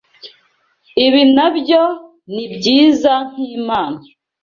Ibi nabyo nibyiza nkimpano.